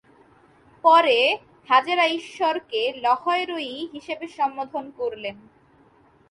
পরে, হাজেরা ঈশ্বরকে "লহয়-রোয়ী" হিসেবে সম্বোধন করলেন।